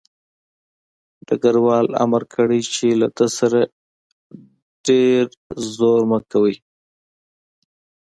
ډګروال امر کړی چې له ده سره ډېر زور مه کوئ